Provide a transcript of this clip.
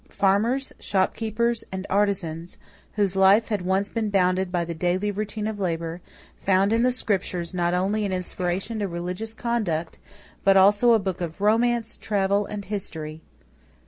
Farmers, shopkeepers, and artisans, whose life had once been bounded by the daily routine of labor, found in the Scriptures not only an inspiration to religious conduct, but also a book of romance, travel, and history.